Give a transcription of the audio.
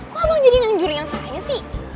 kok abang jadi nganjurin yang saya sih